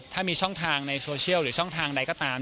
ถ้ามีช่องทางในโซเชียลหรือช่องทางใดก็ตาม